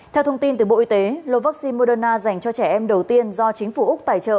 theo thông tin từ bộ y tế lô vaccine moderna dành cho trẻ em đầu tiên do chính phủ úc tài trợ